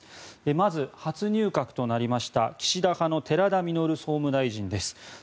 まず初入閣となりました岸田派の寺田稔総務大臣です